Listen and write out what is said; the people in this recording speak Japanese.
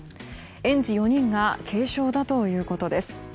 園児４人が軽傷だということです。